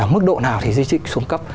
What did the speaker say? mức độ nào thì di tích xuống cấp